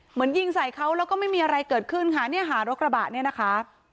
ยิงใส่เขาแล้วก็ไม่มีอะไรเกิดขึ้นค่ะเนี่ยค่ะรถกระบะเนี่ยนะคะ